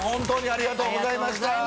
ありがとうございます。